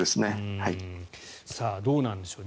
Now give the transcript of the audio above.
どうなんでしょう。